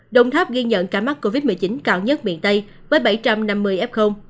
đồng tháp ghi nhận ca mắc covid một mươi chín cao nhất miền tây với bảy trăm năm mươi f